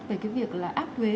về việc áp thuế